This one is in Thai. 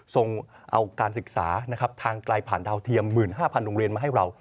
ส่งเอาการศึกษานะครับทางไกลผ่านดาวเทียม๑๕๐๐โรงเรียนมาให้เรา